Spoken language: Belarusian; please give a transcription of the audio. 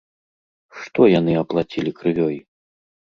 Што яны аплацілі крывёй?